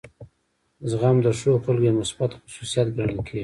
زغم د ښو خلکو یو مثبت خصوصیت ګڼل کیږي.